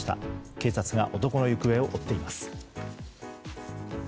警察が男の行方を追っています。